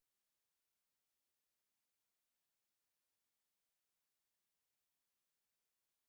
โปรดติดตามต่อไป